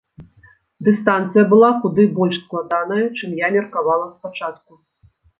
Дыстанцыя была куды больш складаная, чым я меркавала спачатку.